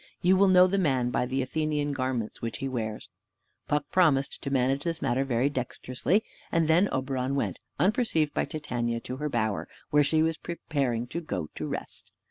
You will know the man by the Athenian garments which he wears." Puck promised to manage this matter very dexterously: and then Oberon went, unperceived by Titania, to her bower, where she was preparing to go to rest.